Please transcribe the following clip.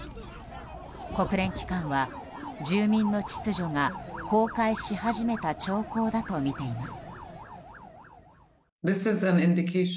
国連機関は住民の秩序が崩壊し始めた兆候だとみています。